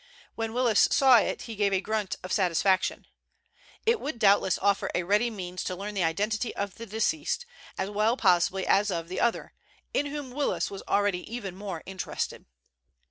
When Willis saw it he gave a grunt of satisfaction. It would doubtless offer a ready means to learn the identity of the deceased, as well possibly as of the other, in whom Willis was already even more interested.